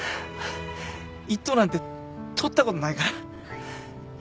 １等なんて取ったことないから。